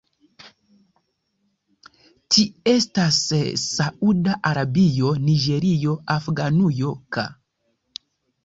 Ti estas Sauda Arabio, Niĝerio, Afganujo ka.